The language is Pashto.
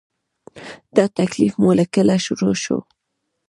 دا تکلیف مو له کله شروع شو؟